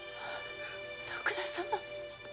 徳田様。